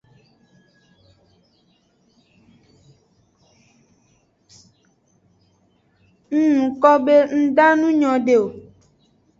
Ng nuko be nda nu nyode o.